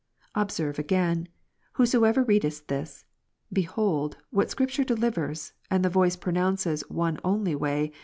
Observe again, whosoever readest this; behold, what Scripture delivers, and the voice pronounces one only way.